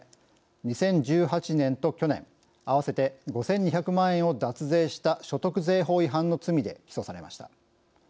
２０１８年と去年合わせて５２００万円を脱税した所得税法違反の罪で起訴されました。